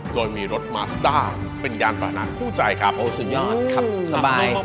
โดยมีรถมาสตาร์เป็นยานประหลาดผู้ใจครับโอ้สุดยอดครับสบายมากมาก